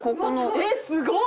えっすごっ！